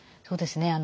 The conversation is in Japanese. そうですね。